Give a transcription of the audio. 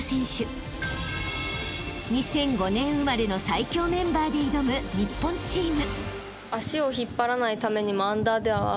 ［２００５年生まれの最強メンバーで挑む日本チーム］